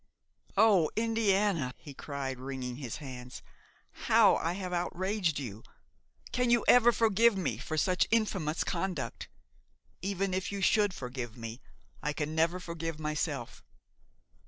"O Indiana!" he cried, wringing his hands, "how I have outraged you! Can you ever forgive me for such infamous conduct? Even if you should forgive me, I can never forgive myself.